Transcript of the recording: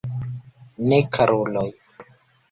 Ne, karuloj.